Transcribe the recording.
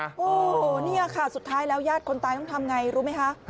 โอ้โหนี่ค่ะสุดท้ายแล้วญาติคนตายต้องทำไงรู้ไหมคะ